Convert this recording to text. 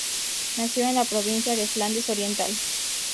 Nació en la provincia de Flandes Oriental.